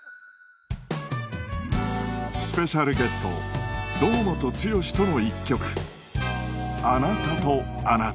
スペシャルゲスト堂本剛との一曲『あなたとアナタ』